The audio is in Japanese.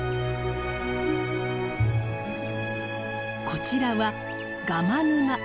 こちらはガマ沼。